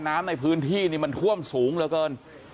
น้ำในพื้นที่นี่มันท่วมสูงเหลือเกิน